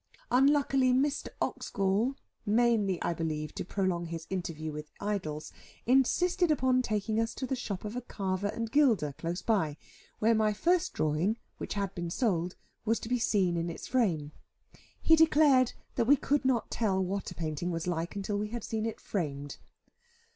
Unluckily Mr. Oxgall, mainly I believe to prolong his interview with Idols, insisted upon taking us to the shop of a carver and gilder close by; where my first drawing (which had been sold) was to be seen in its frame. He declared that we could not tell what a painting was like, until we had seen it framed.